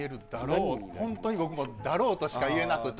本当に僕もだろうとしか言えなくて。